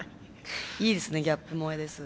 いいですねギャップ萌えです。